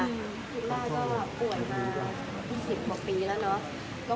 คุณล่าอ่อนมา๒๐กว่าปีแล้วเนอะ